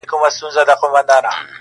زما مرور فکر به څه لفظونه وشرنگوي.